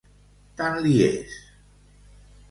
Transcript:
Tant li és.